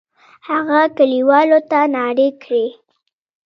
هغه کلیوالو ته نارې کړې.